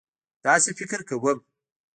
داسې فکر کوم.